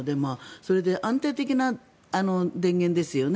それで安定的な電源ですよね。